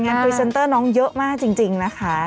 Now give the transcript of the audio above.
พรีเซนเตอร์น้องเยอะมากจริงนะคะ